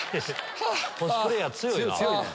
コスプレーヤー強いな。